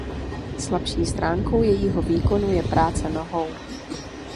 Slabší stránkou jejího výkonu je práce nohou.